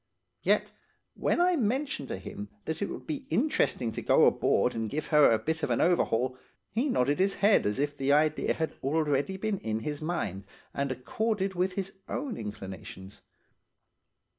"Yet, when I mentioned to him that it would be interesting to go aboard and give her a bit of an overhaul, he nodded his head as if the idea had been already in his mind and accorded with his own inclinations.